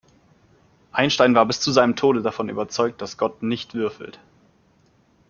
Einstein war bis zu seinem Tode davon überzeugt, dass Gott nicht würfelt.